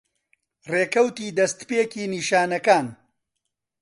ڕێکەوتی دەستپێکی نیشانەکان